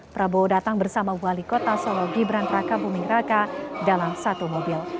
prabowo datang bersama wali kota solo gibran traka bumingraka dalam satu mobil